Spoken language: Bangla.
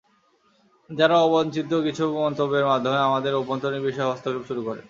তারা অবাঞ্ছিত কিছু মন্তব্যের মাধ্যমে আমাদের অভ্যন্তরীণ বিষয়ে হস্তক্ষেপ শুরু করে।